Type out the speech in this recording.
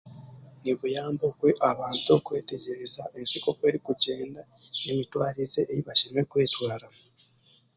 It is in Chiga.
Niguyamba abantu okwetegyereza ensi oku erikugyenda n'emitwarize ei bashemereire kwetwara.